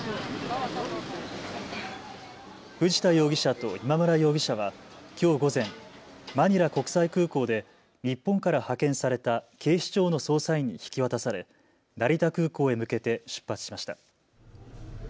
藤田容疑者と今村容疑者はきょう午前、マニラ国際空港で日本から派遣された警視庁の捜査員に引き渡され成田空港へ向けて出発しました。